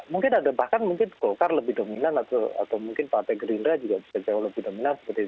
mungkin ada bahkan mungkin golkar lebih dominan atau mungkin partai gerindra juga bisa jauh lebih dominan seperti itu